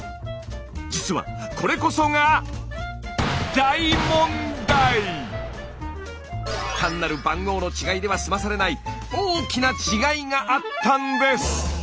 実はこれこそが単なる番号の違いでは済まされない大きな違いがあったんです。